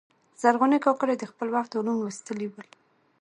زرغونې کاکړي د خپل وخت علوم لوستلي ول.